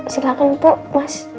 silahkan puk mas